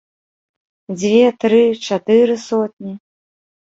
Дзве, тры, чатыры сотні?